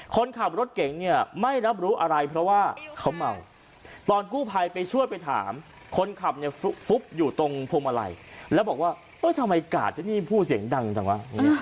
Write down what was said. คนขับรถเก่งเนี่ยไม่รับรู้อะไรเพราะว่าเขาเมาตอนกู้ภัยไปช่วยไปถามคนขับเนี่ยฟุบอยู่ตรงพวงมาลัยแล้วบอกว่าทำไมกาดที่นี่พูดเสียงดังจังวะ